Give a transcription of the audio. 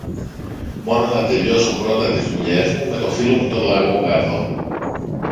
Μόνο να τελειώσω πρώτα τις δουλειές μου με το φίλο μου τον Λαγόκαρδο.